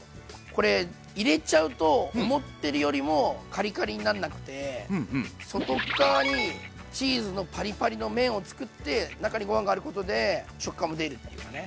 これ入れちゃうと思ってるよりもカリカリになんなくて外っ側にチーズのパリパリの面をつくって中にご飯があることで食感も出るっていうかね。